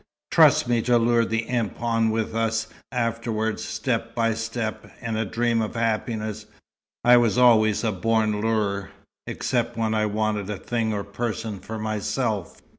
Trust me to lure the imp on with us afterward, step by step, in a dream of happiness. I was always a born lurer except when I wanted a thing or person for myself."